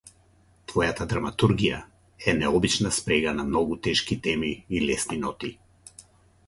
Твојата драматургија е необична спрега на многу тешки теми и лесни ноти.